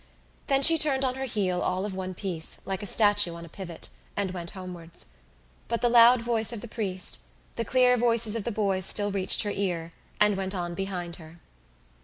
Then she turned on her heel all of one piece, like a statue on a pivot, and went homewards. But the loud voice of the priest, the clear voices of the boys still reached her ears, and went on behind her.